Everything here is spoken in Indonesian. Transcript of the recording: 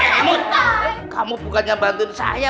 kamu kamu bukan yang bantuin saya